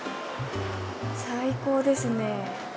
最高ですね。